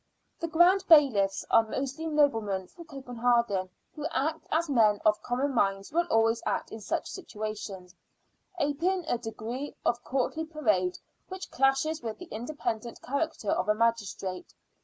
The Grand Bailiffs are mostly noblemen from Copenhagen, who act as men of common minds will always act in such situations aping a degree of courtly parade which clashes with the independent character of a magistrate.